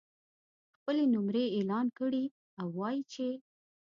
خپلې نمرې اعلان کړي او ووایي چې